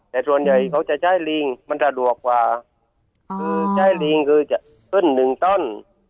แต่ส่วนใหญ่เขาจะใช้ลิงมันสะดวกกว่าคือใช้ลิงคือจะขึ้นหนึ่งต้น